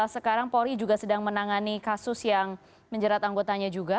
sekarang polri juga sedang menangani kasus yang menjerat anggotanya juga